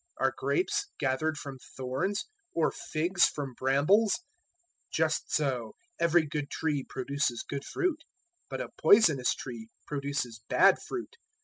Are grapes gathered from thorns or figs from brambles? 007:017 Just so every good tree produces good fruit, but a poisonous tree produces bad fruit.